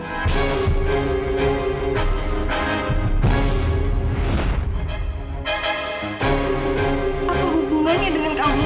apa hubungannya dengan kamu